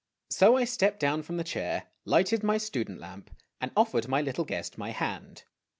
So I stepped down from the chair, lighted my student lamp, and offered my little guest my hand.